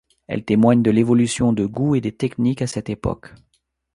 Elles témoignent de l'évolution de goûts et des techniques à cette époque.